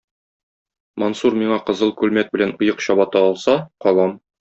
Мансур миңа кызыл күлмәк белән оек-чабата алса, калам.